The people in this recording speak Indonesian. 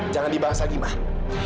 jangan dibahas lagi mak